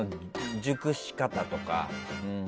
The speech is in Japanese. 熟し方とか。